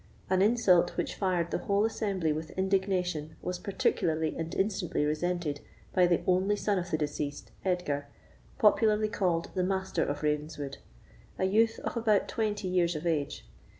An insult which fired the whole assembly with indignation was particularly and instantly resented by the only son of the deceased, Edgar, popularly called the Master of Ravenswood, a youth of about twenty years of age.